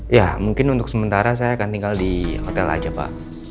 ya mungkin untuk sementara saya akan tinggal di hotel aja pak